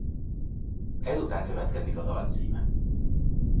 Ezután következik a dal címe.